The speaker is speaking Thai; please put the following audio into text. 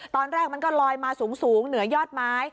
ตอนแรกมันก็ลอยมาสูงเหนือยอดไม้